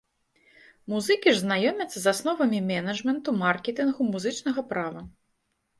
Музыкі ж знаёмяцца з асновамі менеджменту, маркетынгу, музычнага права.